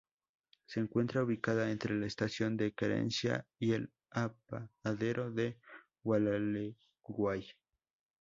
Se encuentra ubicada entre la Estación La Querencia y el Apeadero El Gualeguay.